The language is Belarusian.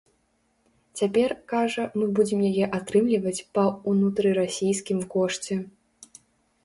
Цяпер, кажа, мы будзем яе атрымліваць па ўнутрырасійскім кошце.